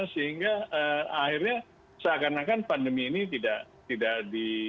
sehingga akhirnya seakan akan pandemi ini tidak di